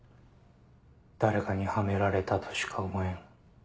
誰かにはめられたとしか思えん。